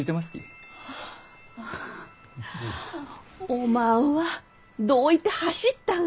おまんはどういて走ったが！